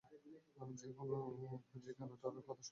আমি যে কেন তোর কথা শুনলাম।